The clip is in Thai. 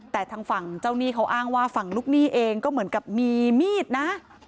แต่ทางฝั่งเจ้าหนี้เขาอ้างว่าฝั่งลูกหนี้เองก็เหมือนกับมีมีดนะ